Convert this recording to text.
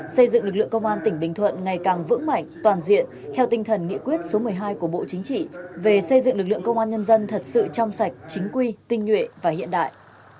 xây dựng lực lượng công an tỉnh bình thuận ngày càng vững mạnh toàn diện theo tinh thần nghị quyết số một mươi hai của bộ chính trị về xây dựng lực lượng công an nhân dân thật sự trong sạch chính quy tinh nhuệ và hiện đại